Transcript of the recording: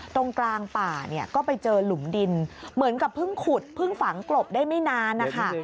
ตรงกลางป่าเนี่ยก็ไปเจอหลุมดินเหมือนกับเพิ่งขุดเพิ่งฝังกลบได้ไม่นานนะคะ